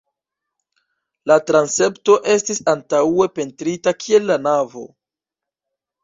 La transepto estis antaŭe pentrita kiel la navo.